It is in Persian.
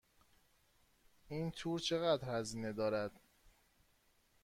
این تور چقدر هزینه دارد؟